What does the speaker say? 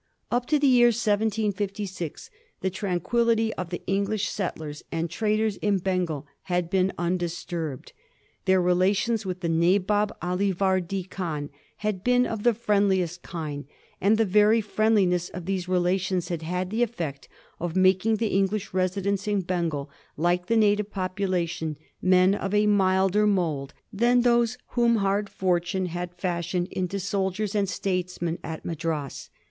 Up to the year 1766 the tranquillity of the English settlers and traders in Bengal had been undisturbed. Their relations with the Nabob Ali Vardi Khan had been of the friendliest kind, and the very friend liness of those relations had had the effect of making the English residents in Bengal, like the native population, men of a milder mould than those whom hard fortune had fashioned into soldiers and statesmen at Madras.